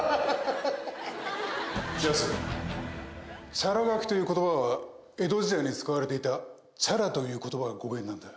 チャラ書きという言葉は江戸時代に使われていた「ちゃら」という言葉が語源なんだ。